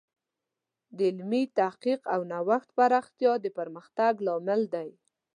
د علمي تحقیق او نوښت پراختیا د پرمختګ لامل دی.